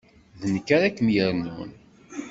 D nekk ara kem-yernun.